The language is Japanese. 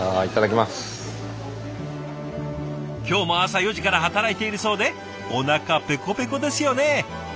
今日も朝４時から働いているそうでおなかペコペコですよね。